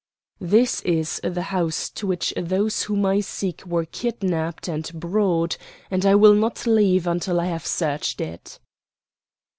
"This is the house to which those whom I seek were kidnapped and brought, and I will not leave until I have searched it."